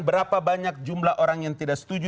berapa banyak jumlah orang yang tidak setuju